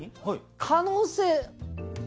可能性。